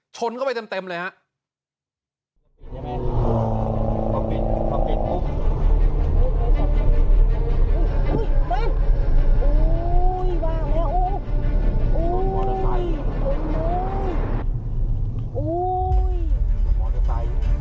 ชนเข้าไปเต็มเลยฮะ